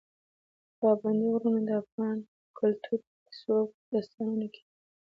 پابندي غرونه د افغان کلتور په کیسو او داستانونو کې دي.